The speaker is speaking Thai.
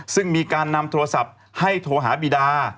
ซึ่งมีการนำโทรศัพท์ให้โทรหาบีดา